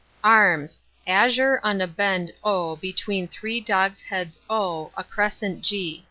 Arms:—Azure on a bend O. between three dogs' heads O. a crescent G.